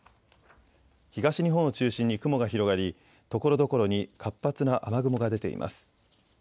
東日本を中心に雲が広がりところどころに活発な雨雲が出ています。